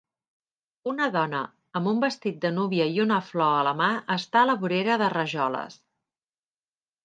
Una dona amb un vestit de núvia i una flor a la mà està a la vorera de rajoles.